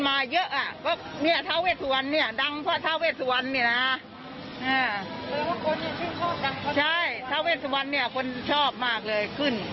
บางทีเขาจุดทูบได้ยายจุดทูบได้เลย